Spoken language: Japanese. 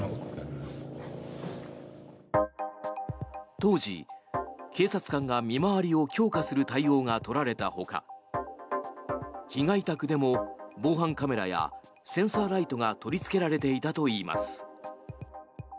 当時、警察官が見回りを強化する対応が取られたほか被害宅でも防犯カメラやセンサーライトが取りつけられていたといいます。